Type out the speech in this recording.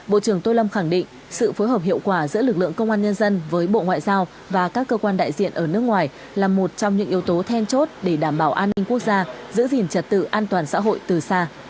bộ trưởng tô lâm khẳng định sự phối hợp hiệu quả giữa lực lượng công an nhân dân với bộ ngoại giao và các cơ quan đại diện ở nước ngoài là một trong những yếu tố then chốt để đảm bảo an ninh quốc gia giữ gìn trật tự an toàn xã hội từ xa